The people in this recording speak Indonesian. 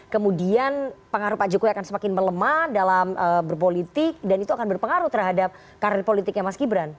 kemudian pengaruh pak jokowi akan semakin melemah dalam berpolitik dan itu akan berpengaruh terhadap karir politiknya mas gibran